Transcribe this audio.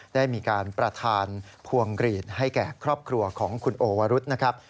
ได้มีการประธานพวงกรีดให้แก่ครอบครัวของคุณโอวรุษนะครับ